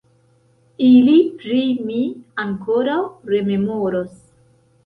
Ili pri mi ankoraŭ rememoros!